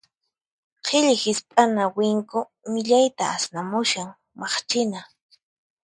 Qhilli hisp'ana winku millayta asnamushan, maqchina.